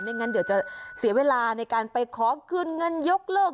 งั้นเดี๋ยวจะเสียเวลาในการไปขอคืนเงินยกเลิก